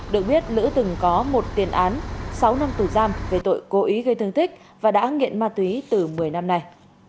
được biết lữ từng có một tiền án sáu năm tù giam về tội cố ý gây thương tích và đã nghiện ma túy từ một mươi năm nay